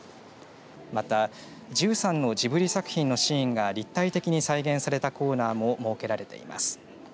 また、１３のジブリ作品のシーンが立体的に再現されたコーナーも設けられています。